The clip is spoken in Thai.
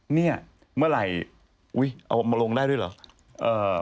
เนี่ยเมื่อไหร่อุ๊ยเอามาลงได้ด้วยเหรอ